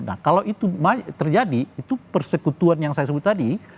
nah kalau itu terjadi itu persekutuan yang saya sebut tadi